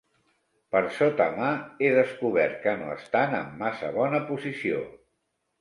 Per sota mà he descobert que no estan en massa bona posició